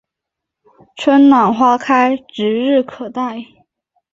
春暖花开指日可待